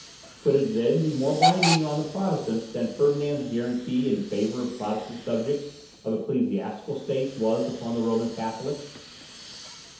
Could it then be more binding on the Protestants than Ferdinand's guarantee in favour of Protestant subjects of ecclesiastical states was upon the Roman Catholics?